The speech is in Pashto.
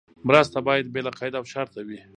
مرسته باید بې له قید او شرطه وي.